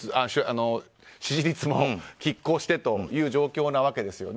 支持率も拮抗している状況なわけですよね。